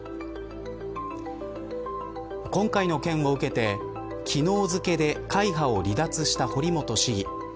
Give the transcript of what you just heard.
今回の件を受けて昨日付で会派を離脱した堀本市議。